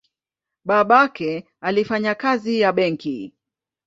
Babake alifanya kazi ya benki.